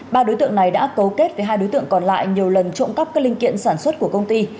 ba đối tượng này đã cấu kết với hai đối tượng còn lại nhiều lần trộm cắp các linh kiện sản xuất của công ty